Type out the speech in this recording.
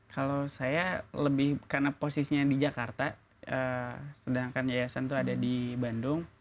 kalau saya lebih karena posisinya di jakarta sedangkan yayasan itu ada di bandung